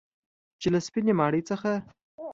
چې له سپینې ماڼۍ څخه